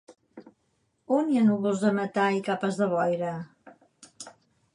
On hi ha núvols de metà i capes de boira?